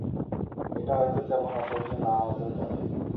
এটা হয়তো তেমন অসহ্য না হতেও পারে।